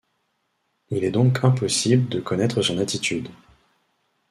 Il est donc impossible de connaître son attitude.